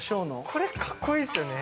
これかっこいいですよね。